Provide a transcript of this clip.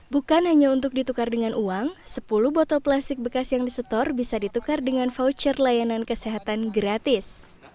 bukan hanya untuk ditukar dengan uang sepuluh botol plastik bekas yang disetor bisa ditukar dengan voucher layanan kesehatan gratis